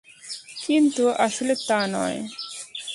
কিন্তু, আসলে তা নয়!